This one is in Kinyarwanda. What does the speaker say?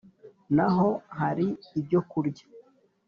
hano hari ibyo kurya